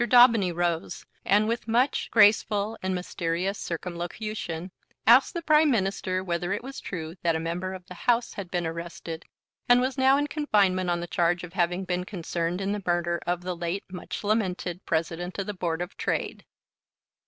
Daubeny rose, and with much graceful and mysterious circumlocution asked the Prime Minister whether it was true that a member of the House had been arrested, and was now in confinement on the charge of having been concerned in the murder of the late much lamented President of the Board of Trade.